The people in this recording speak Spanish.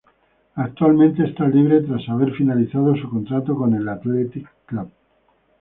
Actualmente está libre tras haber finalizado su contrato con el Athletic Club.